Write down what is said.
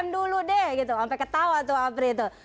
dulu deh sampai ketawa tuh apri